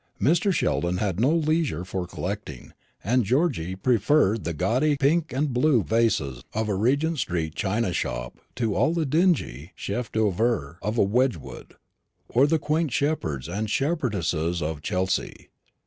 Mr. Sheldon had no leisure for collecting; and Georgy preferred the gaudy pink and blue vases of a Regent street china shop to all the dingy chefs d'oeuvre of a Wedgwood, or the quaint shepherds and shepherdesses of Chelsea.